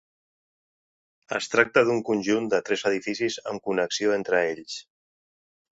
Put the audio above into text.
Es tracta d'un conjunt de tres edificis amb connexió entre ells.